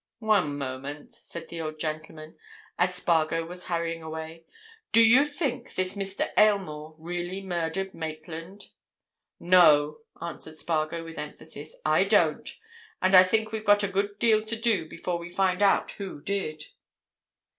"One moment," said the old gentleman, as Spargo was hurrying away, "do you think this Mr. Aylmore really murdered Maitland?" "No!" answered Spargo with emphasis. "I don't! And I think we've got a good deal to do before we find out who did."